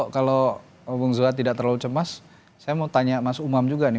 kalau bung zuhad tidak terlalu cemas saya mau tanya mas umam juga nih